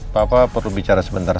papa perlu bicara sebentar